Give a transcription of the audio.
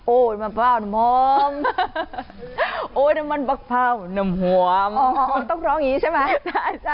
โอ้น้ำมะพร้าวน้ำหอมโอ้น้ำมะพร้าวน้ำหอมอ๋อต้องร้องอย่างงี้ใช่ไหมใช่ใช่